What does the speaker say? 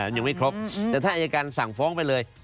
ยังไม่ครบแต่ถ้าอายการสั่งฟ้องไปเลย